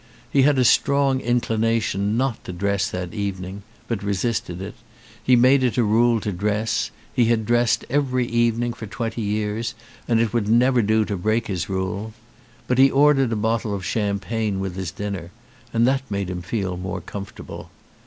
He had a strong inclination not to dress that evening, but he resisted it: he made it a rule to dress, he had dressed every evening for twenty years and it would never do to break his rule. But he ordered a bottle of champagne with his dinner and that made him feel more comfortable.